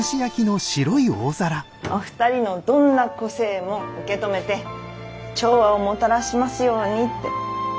お二人のどんな個性も受け止めて調和をもたらしますようにって。